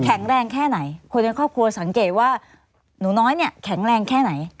แรงแค่ไหนคนในครอบครัวสังเกตว่าหนูน้อยเนี่ยแข็งแรงแค่ไหน